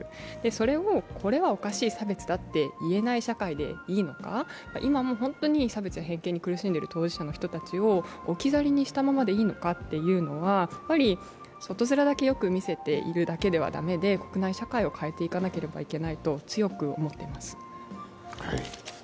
それを、これはおかしい、差別だと言えない社会でいいのか、今、本当に差別や偏見に苦しんでいる当事者の人を置き去りにしていいのか、外面だけよく見せているだけでは駄目で国内社会を変えていかなければいけないと強く思っています。